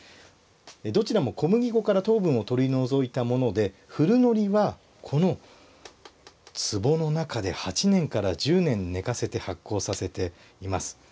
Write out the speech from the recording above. どちらも小麦粉から糖分を取り除いたもので古糊はこのつぼの中で８年から１０年寝かせて発酵させています。